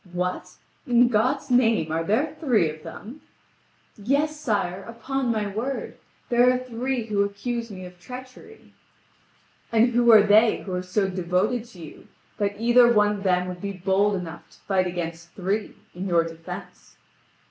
"What? In God's name, are there three of them?" "Yes, sire, upon my word. There are three who accuse me of treachery." "And who are they who are so devoted to you that either one of them would be bold enough to fight against three in your defence?"